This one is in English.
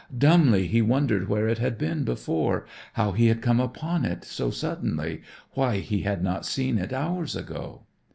Dumbly he wondered where it had been before, how he had come upon it so suddenly, why he had not seen it hours ago.